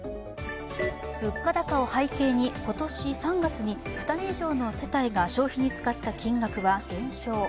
物価高を背景に、今年３月に、２人以上の世帯が消費に使った金額は減少。